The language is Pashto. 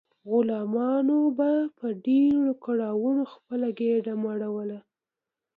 غلامانو به په ډیرو کړاوونو خپله ګیډه مړوله.